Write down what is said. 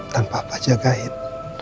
tanpa apa jagain